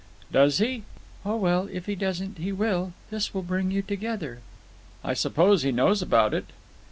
"Does he?" "Oh, well, if he doesn't, he will. This will bring you together." "I suppose he knows about it?"